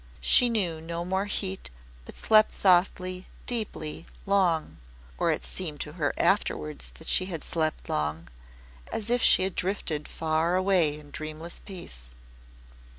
She knew no more heat but slept softly, deeply, long or it seemed to her afterwards that she had slept long as if she had drifted far away in dreamless peace.